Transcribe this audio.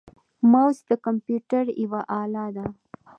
موس د کمپیوټر یوه اله ده.